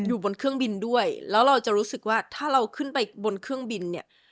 อยู่บนเครื่องบินด้วยแล้วเราจะรู้สึกว่าถ้าเราขึ้นไปบนเครื่องบินเนี่ย